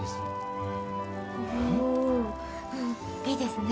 おいいですね！